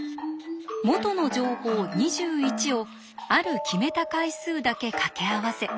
元の情報２１をある決めた回数だけかけ合わせ